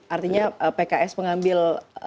artinya pks mengambil